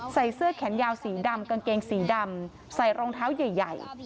ใส่เสื้อแขนยาวสีดำกางเกงสีดำใส่รองเท้าใหญ่